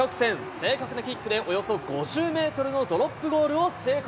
正確なキックで、およそ５０メートルのドロップゴールを成功。